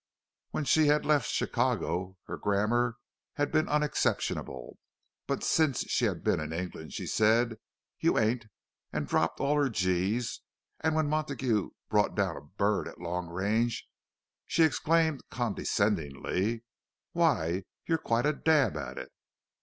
When she had left Chicago, her grammar had been unexceptionable; but since she had been in England, she said "you ain't" and dropped all her g's; and when Montague brought down a bird at long range, she exclaimed, condescendingly, "Why, you're quite a dab at it!"